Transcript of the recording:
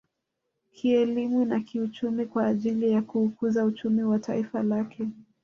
Kielimu na kiuchumi kwa ajili ya kuukuza uchumi wa taifa lake